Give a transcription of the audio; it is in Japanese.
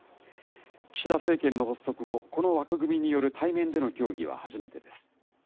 岸田政権の発足後、この枠組みによる対面での協議は初めてです。